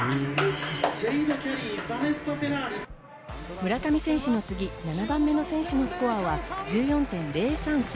村上選手に次７番目の選手のスコアは１４．０３３。